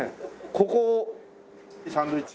ここサンドイッチ？